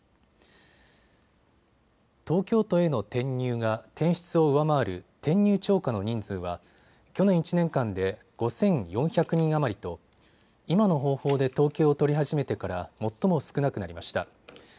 東京都への転入が転出を上回る転入超過の人数は去年１年間で５４００人余りと今の方法で統計を取り始めてから最も少なくなりました。